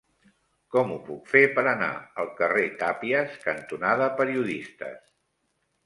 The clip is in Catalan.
Com ho puc fer per anar al carrer Tàpies cantonada Periodistes?